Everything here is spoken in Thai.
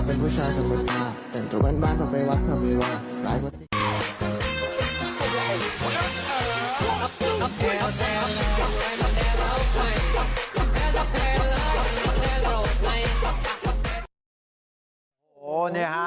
โอ้โหเนี่ยฮะ